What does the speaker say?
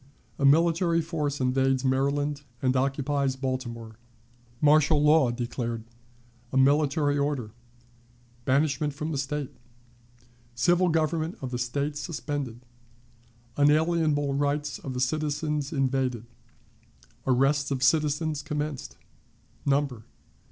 A Military Force invades Maryland and occupies Baltimore. Martial Law declared. A Military Order. Banishment from the State. Civil Government of the State suspended. Unalienable Rights of the Citizens invaded. Arrests of Citizens commenced. Number.